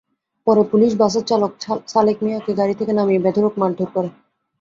পরে পুলিশ বাসের চালক ছালেক মিয়াকে গাড়ি থেকে নামিয়ে বেধড়ক মারধর করে।